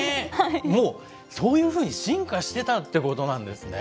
もう、そういうふうに進化してたってことなんですね。